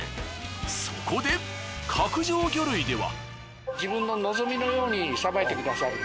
そこで角上魚類では。